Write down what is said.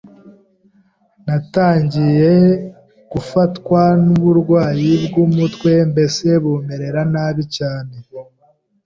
natangiye gufatwa n’uburwayi bw’umutwe, mbese bumerera nabi cyane